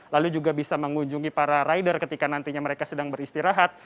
lalu juga bisa mengunjungi para rider ketika nantinya mereka sedang beristirahat